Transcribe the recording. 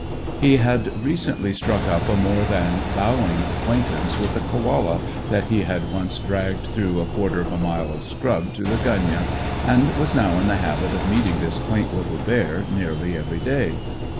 He had recently struck up a more than bowing acquaintance with the koala that he had once dragged through a quarter of a mile of scrub to the gunyah, and was now in the habit of meeting this quaint little bear nearly every day.